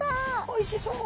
おいしそう。